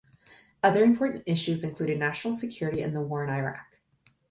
Other important issues included national security and the war in Iraq.